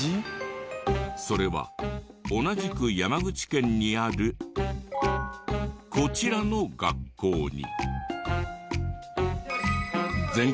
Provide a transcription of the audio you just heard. それは同じく山口県にあるこちらの学校に。